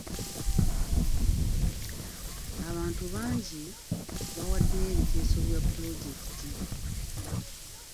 Abantu bangi baawaddeyo ebiteeso bya pulojekiti.